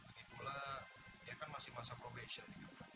lagi pula dia kan masih masa probation juga